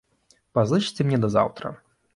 Пазычце мне да заўтра.